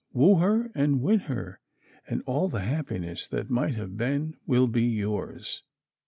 Woo her and win her, and all the happiness that might have been will be yours.